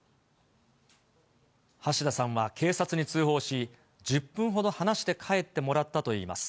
橋田さんは警察に通報し、１０分ほど話して帰ってもらったといいます。